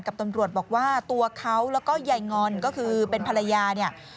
ตำรวจบอกว่าตัวเขาแล้วก็ยายงอนก็คือเป็นภรรยาเนี่ย